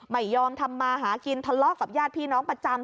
ไม่ยอมทำมาหากินทะเลาะกับญาติพี่น้องประจำ